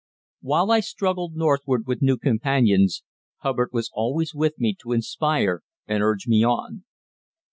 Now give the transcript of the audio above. While I struggled northward with new companions, Hubbard was always with me to inspire and urge me on.